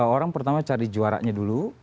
orang pertama cari juaranya dulu